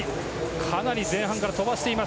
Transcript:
かなり前半から飛ばしています